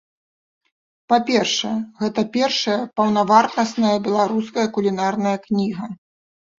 Па-першае, гэта першая паўнавартасная беларуская кулінарная кніга.